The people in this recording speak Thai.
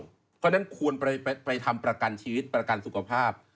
เพราะฉะนั้นควรไปทำประกันชีวิตประกันสุขภาพ